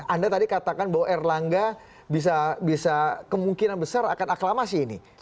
anda tadi katakan bahwa erlangga bisa kemungkinan besar akan aklamasi ini